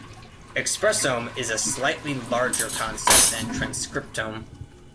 Expressome is a slightly larger concept than transcriptome.